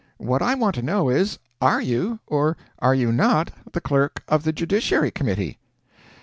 What I want to know is, are you, or are you not the clerk of the Judiciary Committee?"